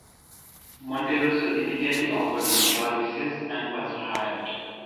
Monterosso immediately offered his services and was hired.